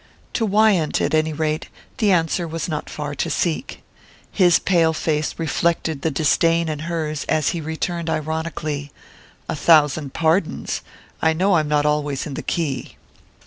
To Wyant, at any rate, the answer was not far to seek. His pale face reflected the disdain in hers as he returned ironically: "A thousand pardons; I know I'm not always in the key."